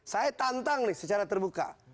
saya tantang nih secara terbuka